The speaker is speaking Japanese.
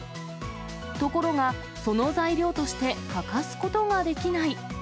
ところが、その材料として欠かすことができない。